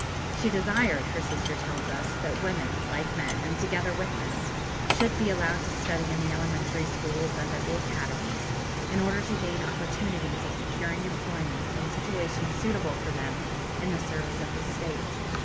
She desired, her sister tells us, that women, like men, and together with them, should be allowed to study in the elementary schools and at the academies, in order to gain opportunities of securing employment and situations suitable for them in the service of the State.